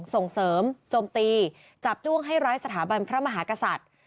ส่งเสริมโจมตีจับจ้วงให้ร้ายสถาบันพระมหากษัตริย์